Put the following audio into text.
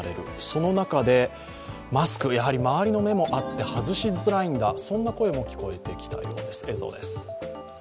その中で、マスク、やはり周りの目もあって外しづらいんだ、そんな声も聞こえてきたようです。